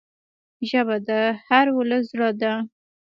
ژبه د هر ولس زړه ده